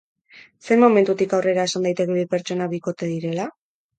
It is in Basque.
Zein momentutik aurrera esan daiteke bi pertsona bikote direla?